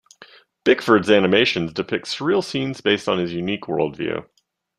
Bickford's animations depict surreal scenes based on his unique worldview.